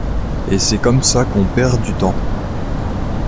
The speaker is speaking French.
Et c’est comme ça qu’on perd du temps.